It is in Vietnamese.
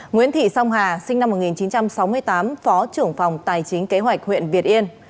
nguyễn thị song hà sinh năm một nghìn chín trăm sáu mươi tám phó trưởng phòng tài chính kế hoạch huyện việt yên